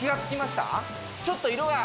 ちょっと色が。